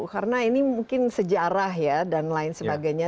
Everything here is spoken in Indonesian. karena ini mungkin sejarah ya dan lain sebagainya